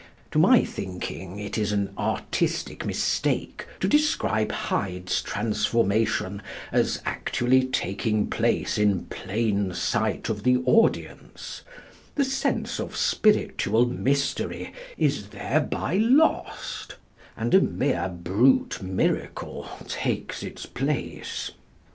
To my thinking, it is an artistic mistake to describe Hyde's transformation as actually taking place in plain sight of the audience; the sense of spiritual mystery is thereby lost, and a mere brute miracle takes its place.